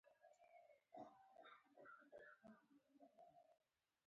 آیا د میلمه مخې ته ښه خواړه نه ایښودل کیږي؟